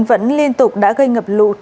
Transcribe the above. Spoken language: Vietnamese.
vẫn liên tục đã gây ngập lụt